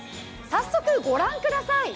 早速御覧ください。